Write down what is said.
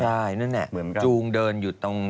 ใช่นั่นแหละจูงเดินอยู่ตรง